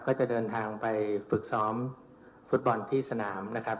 ก็จะเดินทางไปฝึกซ้อมฟุตบอลที่สนามนะครับ